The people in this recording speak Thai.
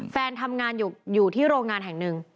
แฟนทำงานอยู่ที่โรงงานแห่งหนึ่ง